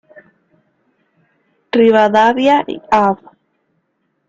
Rivadavia y Av.